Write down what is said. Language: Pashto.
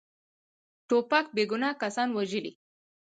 توپک بیګناه کسان وژلي.